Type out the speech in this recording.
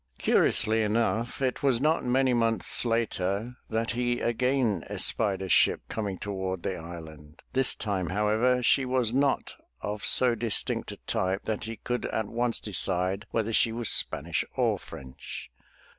Curiously enough, it was not many months later, that he again espied a ship coming toward the island. This time, how ever, she was not of so distinct a type that he could at once decide whether she was Spanish or French.